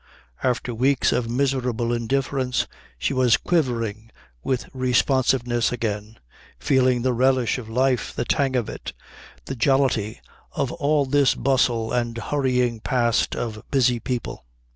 After weeks of miserable indifference she was quivering with responsiveness again, feeling the relish of life, the tang of it, the jollity of all this bustle and hurrying past of busy people.